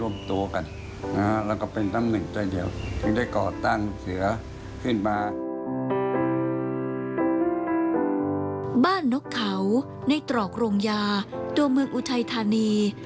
นกเขาในตรอกโรงยาตัวเมืองอุทัยธานี